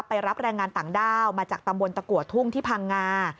รับแรงงานต่างด้าวมาจากตำบลตะกัวทุ่งที่พังงา